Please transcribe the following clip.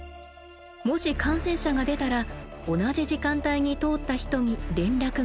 もし感染者が出たら同じ時間帯に通った人に連絡が来る方式。